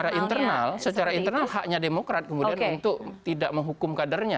secara internal secara internal haknya demokrat kemudian untuk tidak menghukum kadernya